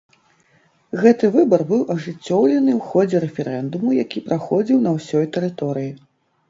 Гэты выбар быў ажыццёўлены ў ходзе рэферэндуму, які праходзіў на ўсёй тэрыторыі.